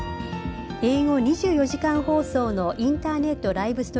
英語２４時間放送のインターネットライブ